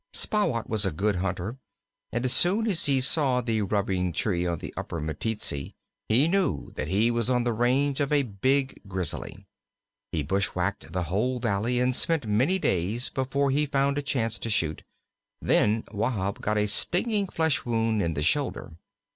Spahwat was a good hunter, and as soon as he saw the rubbing tree on the Upper Meteetsee he knew that he was on the range of a big Grizzly. He bushwhacked the whole valley, and spent many days before he found a chance to shoot; then Wahb got a stinging flesh wound in the shoulder.